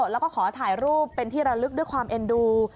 แล้วก็ขอถ่ายรูปเป็นที่ระลึกด้วยความเอ็นดู